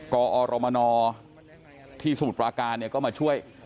กอรมนที่สมุทรปราการเนี่ยก็มาช่วย